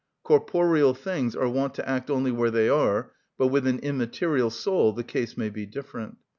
Corporeal things are wont to act only where they are, but with an immaterial soul the case may be different.